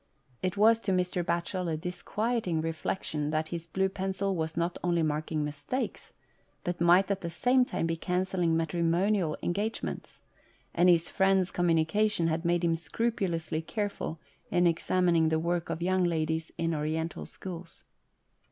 It was to Mr. Batchel a disquieting reflection that his blue pencil was not only marking mistakes, but might at the same time be cancelling matrimonial engagements, and his friend's com munication had made him scrupulously careful in examining the work of young ladies in Oriental Schools.